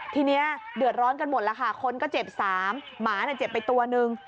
ทีนี้เดือดร้อนกันหมดแล้วค่ะคนก็เจ็บสามหมาเจ็บไปตัวนึง